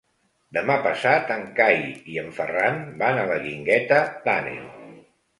Demà passat en Cai i en Ferran van a la Guingueta d'Àneu.